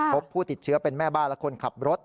พบผู้ติดเชื้อเป็นแม่บ้านและคนขับรถ